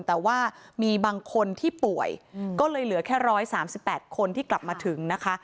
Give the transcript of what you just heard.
แต่ว่ามีบางคนที่ป่วยก็เลยเหลือแค่๑๓๘คนที่กลับมาถึงนะคะ